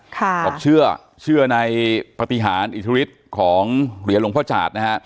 บอกเชื่อเชื่อในปฏิหารอิทธิฤทธิ์ของเหรียญหลวงพ่อจาดนะฮะ